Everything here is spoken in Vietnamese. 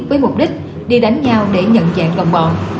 với mục đích đi đánh nhau để nhận dạng đồng bọn